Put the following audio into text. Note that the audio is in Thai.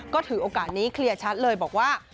ก็ถือโอกาสนี้เคลียร์ชัดเลยบอกว่า